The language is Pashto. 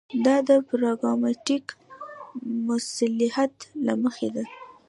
دا د پراګماټیک مصلحت له مخې ده.